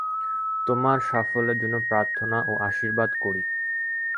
তোমার সাফল্যের জন্য প্রার্থনা ও আশীর্বাদ করি।